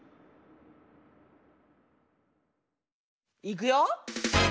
いくよ！